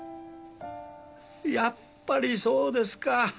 やっぱりそうですか。